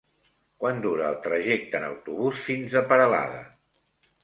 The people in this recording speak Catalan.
Quant dura el trajecte en autobús fins a Peralada?